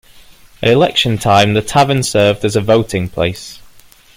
At election time, the tavern served as a voting place.